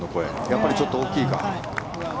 やっぱりちょっと大きいか？